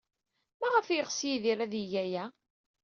Maɣef ay yeɣs Yidir ad geɣ aya?